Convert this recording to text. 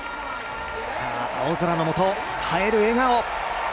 青空のもと、映える笑顔。